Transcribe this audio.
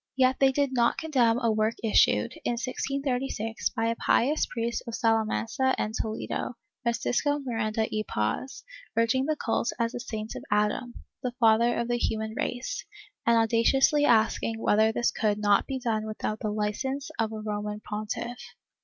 ^ Yet they did not condemn a work issued, in 1636, by a pious priest of Salamanca and Toledo, Francisco Miranda y Paz, urging the cult as a saint of Adam, the father of the human race, and audaciously asking whether this could not be done without the licence of the Roman pontiff.